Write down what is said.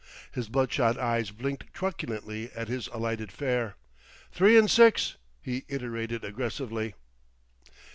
His bloodshot eyes blinked truculently at his alighted fare. "Three 'n' six," he iterated aggressively.